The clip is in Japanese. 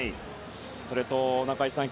それと中居さん